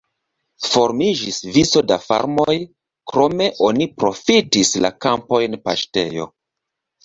Formiĝis vico da farmoj, krome oni profitis la kampojn paŝtejo.